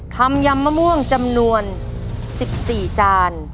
ยำมะม่วงจำนวน๑๔จาน